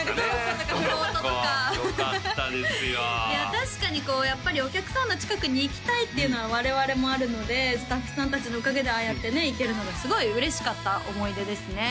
確かにこうやっぱりお客さんの近くに行きたいっていうのは我々もあるのでスタッフさん達のおかげでああやってね行けるのがすごい嬉しかった思い出ですね